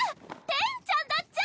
テンちゃんだっちゃ！